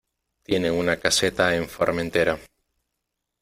Tienen una caseta en Formentera.